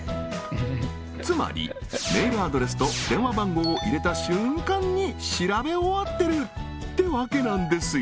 つまりメールアドレスと電話番号を入れた瞬間に調べ終わってる！ってわけなんですよ